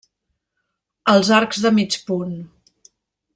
Els arcs de mig punt.